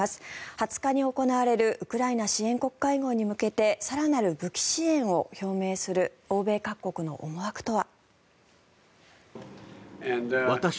２０日に行われるウクライナ支援国会合に向けて更なる武器支援を表明する欧米各国の思惑とは。